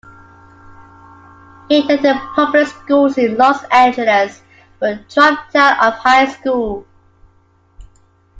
He attended public schools in Los Angeles but dropped out of high school.